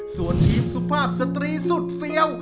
ส่วนทีมสุภาพสตรีสุดเฟี้ยว